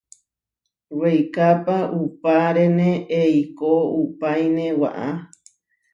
Weikápa uʼpárene eikó uʼpáine waʼá.